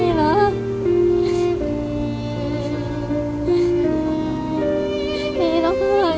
ดีต้อนไข้นะ